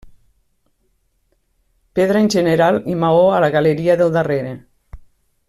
Pedra en general i maó a la galeria del darrere.